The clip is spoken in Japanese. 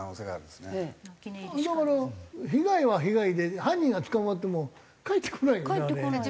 だから被害は被害で犯人が捕まっても返ってこないよね？